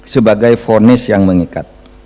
sebagai fonis yang mengikat